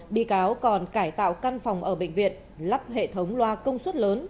bị cáo còn cải tạo căn phòng ở bệnh viện lắp hệ thống loa công suất lớn